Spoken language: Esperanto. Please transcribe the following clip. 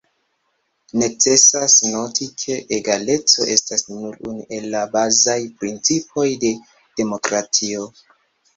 Necesas noti, ke egaleco estas nur unu el la bazaj principoj de demokratio.